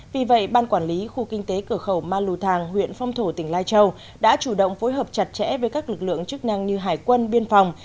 vì vậy ban quản lý khu kinh tế cửa khẩu ma lù thàng huyện phong thổ tỉnh lai châu đã chủ động phối hợp chặt chẽ với các lực lượng chức năng như hải quân biên phòng